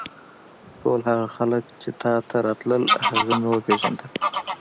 ټول هغه خلک چې تا ته راتلل هغه به مې وپېژندل.